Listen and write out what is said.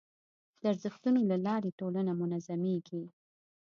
د ارزښتونو له لارې ټولنه منظمېږي.